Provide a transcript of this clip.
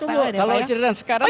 ya kita tunggu kalau cerita sekarang